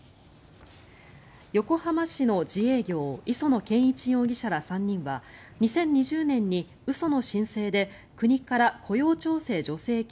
横浜市の自営業磯野賢一容疑者ら３人は２０２０年に嘘の申請で国から雇用調整助成金